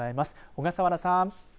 小笠原さん。